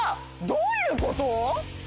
どういうこと！？